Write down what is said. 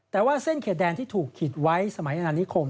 แต่ว่าเส้นเขียดแดนที่ถูกคิดไว้ในอาณานิคม